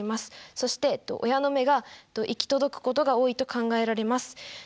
そして親の目が行き届くことが多いと考えられます。